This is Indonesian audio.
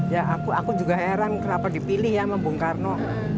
ya aku juga heran kenapa dipilih ya sama bung karno